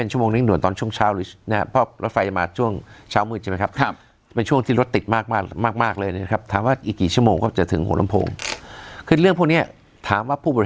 หลังจากสองชั่วโมงนี้หลวงตอนช่วงเช้าค่ะนะครับ